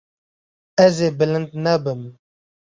Ez ê bilind nebim.